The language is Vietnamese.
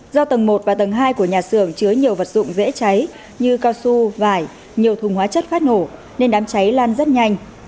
do tầng một và tầng hai của nhà xưởng chứa nhiều vật dụng dễ cháy như cao su vải nhiều thùng hóa chất phát nổ nên đám cháy lan rất nhanh